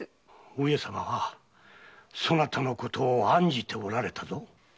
上様はそなたのことを案じておられたぞ。